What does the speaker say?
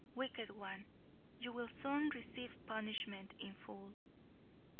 Wicked one, you will soon receive punishment in full."